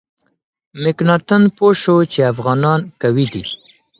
مکناتن پوه شو چې افغانان قوي دي.